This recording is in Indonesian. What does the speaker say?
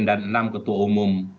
dan enam ketua umum